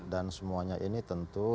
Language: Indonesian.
dan semuanya ini tentu tidak terlepas